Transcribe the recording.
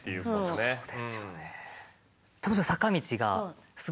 そうですよね。